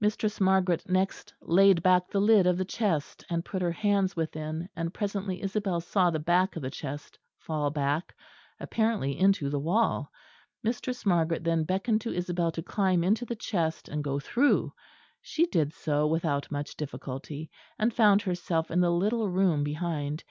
Mistress Margaret next laid back the lid of the chest; and put her hands within, and presently Isabel saw the back of the chest fall back, apparently into the wall. Mistress Margaret then beckoned to Isabel to climb into the chest and go through; she did so without much difficulty, and found herself in the little room behind.